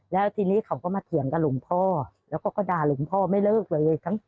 แล้วทีนี้เขาก็มาเถียงกับหลวงพ่อแล้วเขาก็ด่าหลวงพ่อไม่เลิกเลย